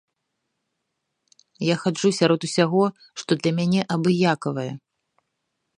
Я хаджу сярод усяго, што для мяне абыякавае.